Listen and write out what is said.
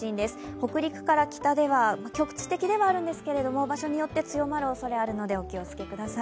北陸から北では局地的ではあるんですけども場所によって強まるおそれがあるので、お気をつけください。